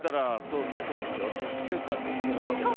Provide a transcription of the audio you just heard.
そうでしょ１０週間で行けるわけない。